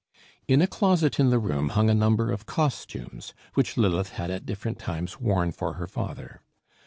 In a closet in the room hung a number of costumes, which Lilith had at different times worn for her father.